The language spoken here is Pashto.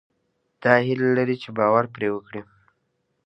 دا هيله لرئ چې باور پرې وکړئ.